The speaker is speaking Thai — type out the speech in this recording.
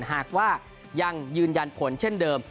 หากว่ายังยืนยันผลเช่นเดิม